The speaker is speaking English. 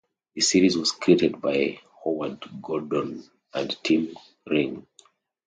The series was created by Howard Gordon and Tim Kring.